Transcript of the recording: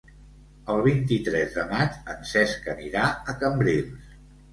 El vint-i-tres de maig en Cesc anirà a Cambrils.